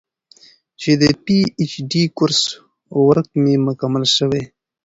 چې د پي اېچ ډي کورس ورک مې مکمل شوے